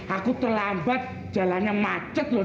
aku terlambat jalan yang macet usah